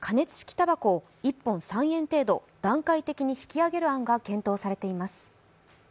たばこを１本３円程度段階的に引き上げる案が検討されています。